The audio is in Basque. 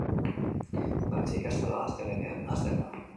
Dantza ikastaroa astelehenean hasten da.